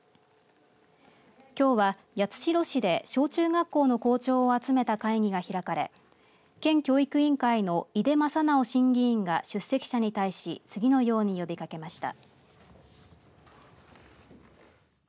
きょうは八代市で小中学校の校長を集めた会議が開かれ県教育委員会の井手正直審議員が出席者に対し次のように呼びかけました。